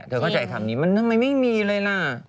ทำไมไม่มีเลยนะ